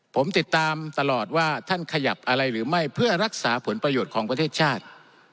ผมติดตามตลอดว่าท่านขยับอะไรหรือไม่เพื่อรักษาผลประโยชน์ของประเทศชาติ